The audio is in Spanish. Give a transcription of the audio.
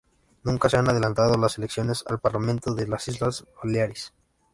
Nunca se han adelantado las elecciones al Parlamento de las Islas Baleares.